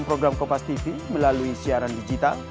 pak satu lagi pak